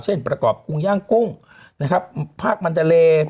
เช่นประกอบกรุงย่างกุ้งภาคมันดาเล